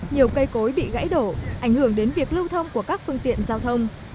nhiều cây cối bị gãy đổ ảnh hưởng đến việc lưu thông của các phương tiện giao thông